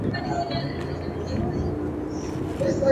a mwanadamu anastahili kufanya mazoezi ya mwili